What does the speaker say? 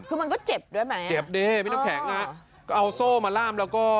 คือมันก็เจ็บด้วยไหมเอาโซ่มาล้ามแล้วก็